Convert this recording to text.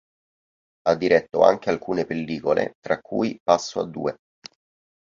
Ha diretto anche alcune pellicole tra cui "Passo a due".